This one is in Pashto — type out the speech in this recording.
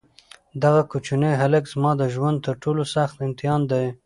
دغه کوچنی هلک زما د ژوند تر ټولو سخت امتحان دی.